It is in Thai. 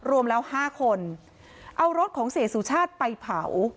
รวมแล้วห้าคนเอารถของเสียสุชาติไปเผา